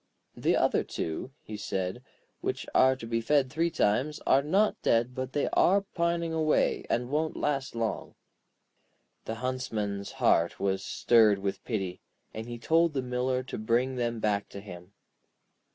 'The other two,' he said, 'which are to be fed three times, are not dead, but they are pining away, and won't last long.' The Huntsman's heart was stirred with pity, and he told the Miller to bring them back to him.